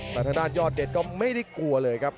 แต่ทางด้านยอดเด็ดก็ไม่ได้กลัวเลยครับ